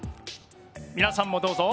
皆さんもどうぞ。